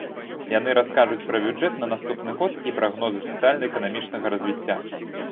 Яны раскажуць пра бюджэт на наступны год і прагнозы сацыяльна-эканамічнага развіцця.